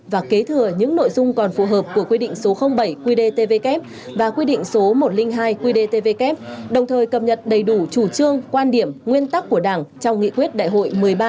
và kế thừa những nội dung còn phù hợp của quy định số bảy qdtvk và quy định số một trăm linh hai qdtvk đồng thời cập nhật đầy đủ chủ trương quan điểm nguyên tắc của đảng trong nghị quyết đại hội một mươi ba